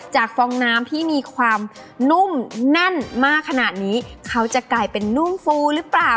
ฟองน้ำที่มีความนุ่มแน่นมากขนาดนี้เขาจะกลายเป็นนุ่มฟูหรือเปล่า